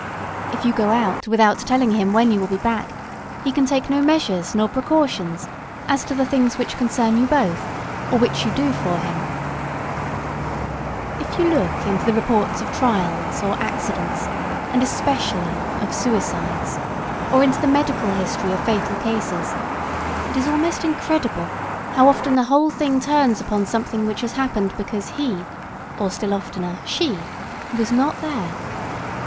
If you go out without telling him when you will be back, he can take no measures nor precautions as to the things which concern you both, or which you do for him. [Sidenote: What is the cause of half the accidents which happen?] If you look into the reports of trials or accidents, and especially of suicides, or into the medical history of fatal cases, it is almost incredible how often the whole thing turns upon something which has happened because "he," or still oftener "she," "was not there."